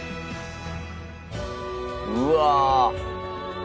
うわ。